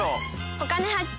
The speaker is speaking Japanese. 「お金発見」。